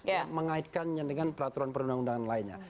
yang mengaitkannya dengan peraturan perundang undangan lainnya